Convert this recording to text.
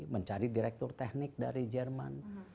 mencari direktur teknik dari jerman